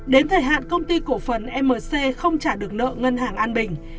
đến thời hạn công ty cổ phần mc không trả được nợ ngân hàng an bình